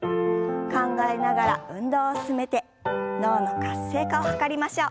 考えながら運動を進めて脳の活性化を図りましょう。